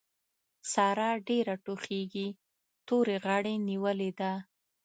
سارا ډېره ټوخېږي؛ تورې غاړې نيولې ده.